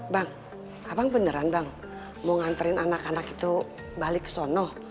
bang abang beneran bang mau nganterin anak anak itu balik ke sana